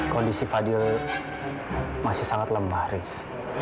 kondisi fadil masih sangat lembah ris